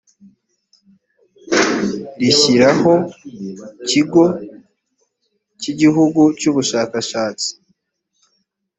rishyiraho kigo cy igihugu cy ubushakashatsi